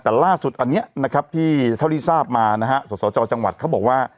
แต่ล่าสุดอันนี้นะครับที่เท่าที่ทราบมานะฮะสสจจังหวัดเขาบอกว่า